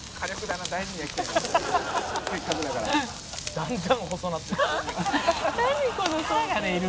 「だんだん細なってる」